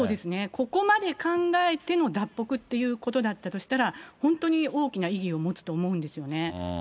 ここまで考えての脱北っていうことだったとしたら、本当に大きな意義を持つと思うんですよね。